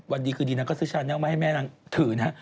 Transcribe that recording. วันดีคือดีนักก็ซื้อฉันไม่ให้แม่นางถือนะ